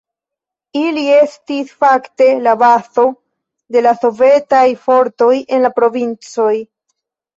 Ili estis fakte la bazo de la sovetaj fortoj en la provincoj.